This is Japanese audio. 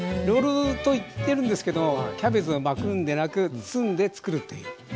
ロールと言ってるんですけどキャベツを巻くんでなく包んで作るっていう。